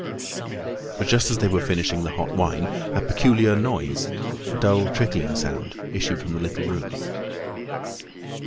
But just as they were finishing the hot wine a peculiar noise, a dull trickling sound, issued from the little room.